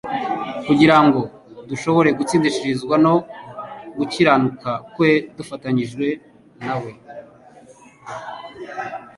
kugira ngo dushobore gutsindishirizwa no gukiranuka kwe, tudafatanije na we.